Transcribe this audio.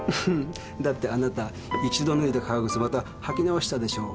だってあなた一度脱いだ革靴をまた履き直したでしょう？